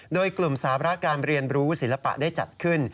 โดยกลุ่มสาระการเรียนรู้ศิลปะได้จัดขึ้น